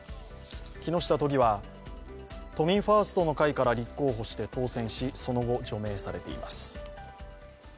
木下都議は都民ファーストの会から立候補して当選しその後、除名されています。